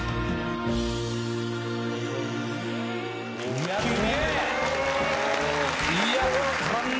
いやすげぇ！